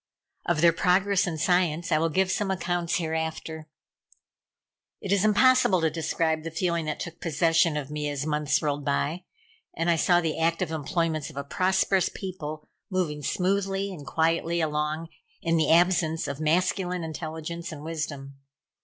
Of their progress in science I will give some accounts hereafter. It is impossible to describe the feeling that took possession of me as months rolled by, and I saw the active employments of a prosperous people move smoothly and quietly along in the absence of masculine intelligence and wisdom.